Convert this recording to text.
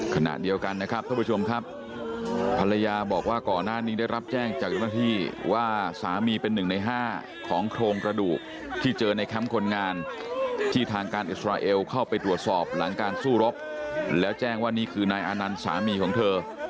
ขณะเดียวกันนะครับท่านผู้ชมครับภรรยาบอกว่าก่อนหน้านี้ได้รับแจ้งจากเจ้าหน้าที่ว่าสามีเป็นหนึ่งในห้าของโครงกระดูกที่เจอในแคมป์คนงานที่ทางการอิสราเอลเข้าไปตรวจสอบหลังการสู้รบแล้วแจ้งว่านี่คือนายอานันต์สามีของเธอ